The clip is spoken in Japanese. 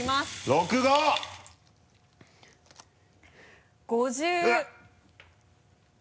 ６５！５５。